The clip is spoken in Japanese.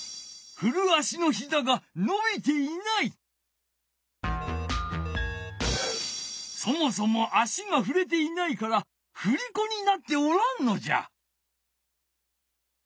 ふる足のそもそも足がふれていないからふりこになっておらんのじゃ。